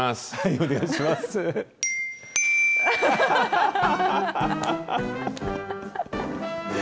お願いします。